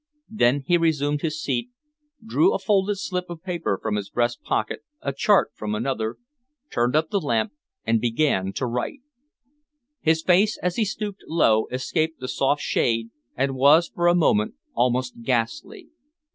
Then he resumed his seat, drew a folded slip of paper from his breast pocket, a chart from another, turned up the lamp and began to write. His face, as he stooped low, escaped the soft shade and was for a moment almost ghastly.